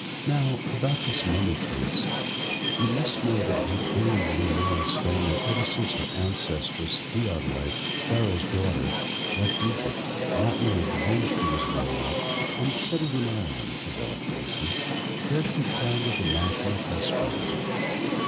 Now about this mummy case: you must know that it had been in Leonora's family ever since her ancestress, Theodolitê, Pharaoh's daughter, left Egypt, not knowing when she was well off, and settled in Ireland, of all places, where she founded the national prosperity.